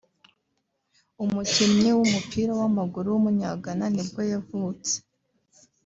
umukinnyi w’umupira w’amaguru w’umunya Ghana ni bwo yavutse